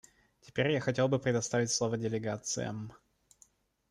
Теперь я хотел бы предоставить слово делегациям.